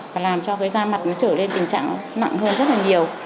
và làm cho cái da mặt nó trở lên tình trạng nặng hơn rất là nhiều